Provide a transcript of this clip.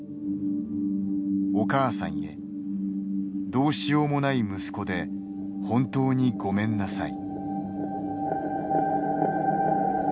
「お母さんへどうしようもない息子で本当にごめんなさい」